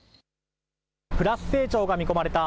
プラス成長が見込まれた